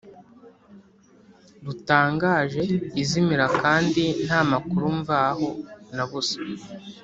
rutangaje izimira kandi nta makuru mvaho na busa